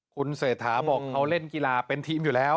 คุณเศรษฐาบอกเขาเล่นกีฬาเป็นทีมอยู่แล้ว